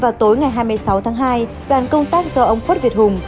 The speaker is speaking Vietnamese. vào tối ngày hai mươi sáu tháng hai đoàn công tác do ông khuất việt hùng